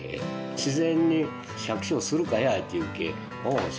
自然に「百姓するかや？」って言うけ。